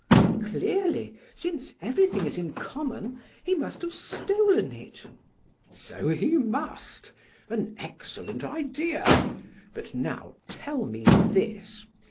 Clearly, since everything is in common, he must have stolen it! BLEPS. So he must! An excellent idea! But now tell me this.